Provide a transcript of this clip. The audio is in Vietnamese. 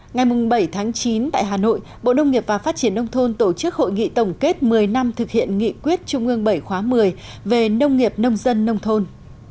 ngày bảy chín tại hà nội bộ nông nghiệp và phát triển nông thôn tổ chức hội nghị tổng kết một mươi năm thực hiện nghị quyết trung ương bảy khóa một mươi về nông nghiệp nông dân nông thôn